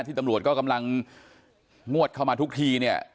ตำรวจก็กำลังงวดเข้ามาทุกทีเนี่ย